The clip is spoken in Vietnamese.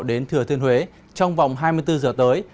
đến thừa thiên huế trong vòng hai mươi bốn giờ tới